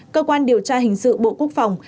cơ quan điều tra hình sự bộ quốc phòng